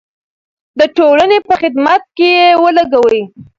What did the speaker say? د ټولنې په خدمت کې یې ولګوئ.